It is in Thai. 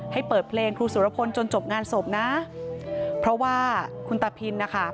ให้เปิดเพลงครูสุรพลจนจบงานศพนะเพราะว่าคุณตาพินนะคะ